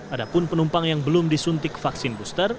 adapun penumpang yang belum disuntik vaksin booster